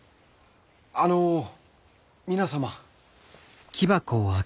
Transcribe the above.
あの皆様！